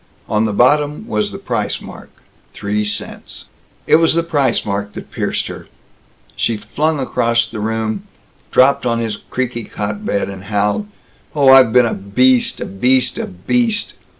On the bottom was the price mark three cents. It was the price mark that pierced her. She flung across the room, dropped on his creaky cot bed, howled, "Oh, I've been a beast a beast a beast!